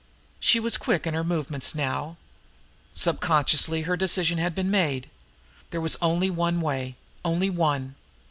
She was quick in her movements now. Subconsciously her decision had been made. There was only one way only one.